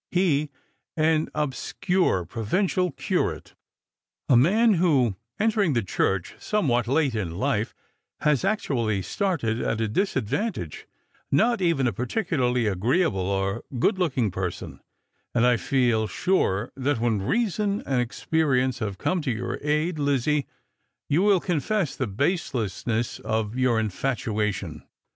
"He, an obscure provincial curate ; a man who, entering the Church somewhat late in life, has actually started at a disadvantage; not even a particularly agreeable or good looking person ; and I feel sure that when reason and experience have come to your aid, Lizzie, you will confess the baselessness of your infatuation."